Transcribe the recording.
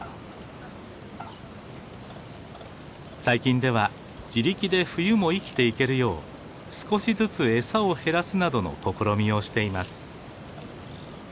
最近では自力で冬も生きていけるよう少しずつ餌を減らすなどの試みをしています。